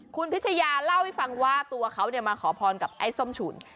คุณพิชยาเล่าให้ฟังว่าตัวเขามาขอพรกับไอ้ส้มฉุน